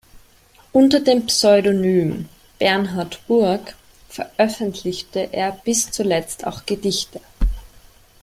Unter dem Pseudonym "Bernhard Burg" veröffentlichte er bis zuletzt auch Gedichte.